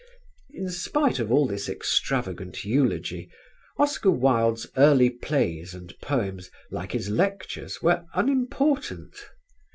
In spite of all this extravagant eulogy Oscar Wilde's early plays and poems, like his lectures, were unimportant.